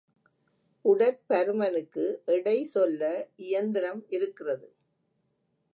உடற்பருமனுக்கு எடை சொல்ல இயந்திரம் இருக்கிறது.